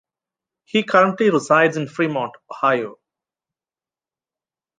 He currently resides in Fremont, Ohio.